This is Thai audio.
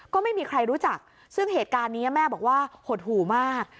ก็ไม่มีใครรู้จักซึ่งเหตุการณ์นี้แม่บอกว่าหดหู่มาก